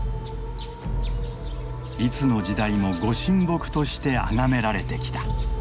いつの時代も御神木としてあがめられてきた。